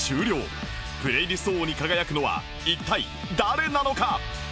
プレイリスト王に輝くのは一体誰なのか？